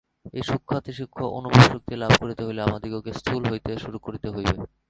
এই সূক্ষ্মাতিসূক্ষ্ম অনুভব-শক্তি লাভ করিতে হইলে আমাদিগকে স্থূল হইতে শুরু করিতে হইবে।